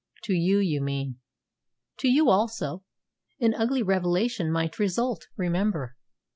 "To you, you mean." "To you also. An ugly revelation might result, remember.